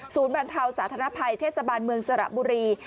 บรรเทาสาธารณภัยเทศบาลเมืองสระบุรี